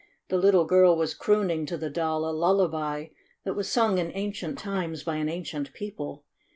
The little girl was crooning to the Doll a lullaby that was sung in ancient times by an ancient people.